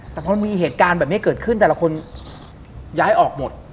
แต่พอมันมีเหตุการณ์แบบนี้เกิดขึ้นแต่ละคนย้ายออกหมด